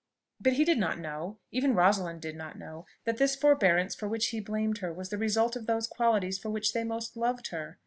But he did not know even Rosalind did not know that this forbearance for which he blamed her was the result of those qualities for which they most loved her.